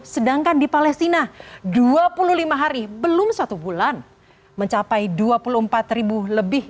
sedangkan di palestina dua puluh lima hari belum satu bulan mencapai dua puluh empat ribu lebih